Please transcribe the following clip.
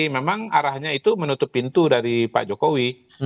memang arahnya itu menutup pintu dari pak jokowi